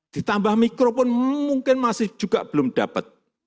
ditambah mikro pun mungkin masih juga belum dapat